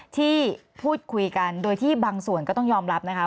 ที่พูดคุยกันโดยที่บางส่วนก็ต้องยอมรับนะคะ